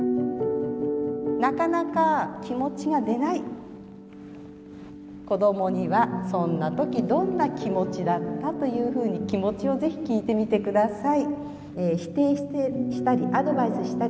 なかなか気持ちが出ない子どもには「そんな時どんな気持ちだった？」というふうに気持ちを是非聴いてみてください。